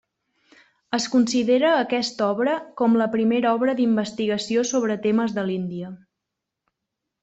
Es considera aquesta obra com la primera obra d'investigació sobre temes de l'Índia.